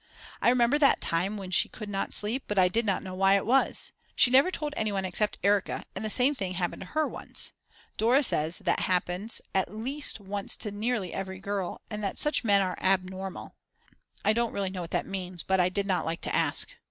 I remember that time when she could not sleep but I did not know why it was. She never told anyone except Erika and the same thing happened to her once. Dora says that happens at least once to nearly every girl; and that such men are "abnormal." I don't really know what that means, but I did not like to ask.